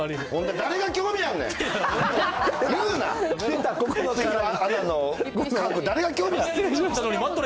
誰が興味あんねん！